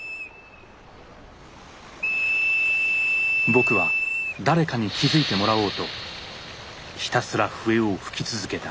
僕は誰かに気づいてもらおうとひたすら笛を吹き続けた。